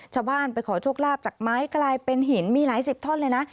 ชาวบ้านไปขอโชคลาภจากไม้กลายเป็นหินมีหลายสิบท่อนเลยนะ